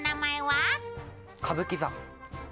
歌舞伎座。